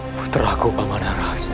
putra aku amanah rasa